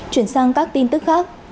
chuyển sang các tin tức khác